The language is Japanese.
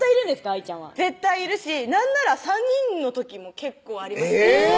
Ｉちゃんは絶対いるしなんなら３人の時も結構ありましたえぇ！